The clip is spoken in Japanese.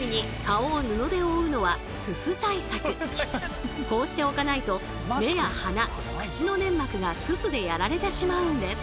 ちなみにこうしておかないと目や鼻口の粘膜がススでやられてしまうんです。